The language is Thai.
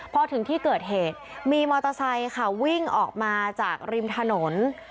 พอถึงที่เกิดเหตุมีมอเตอร์ไซค์ค่ะวิ่งออกมาจากริมถนน